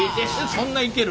そんないける。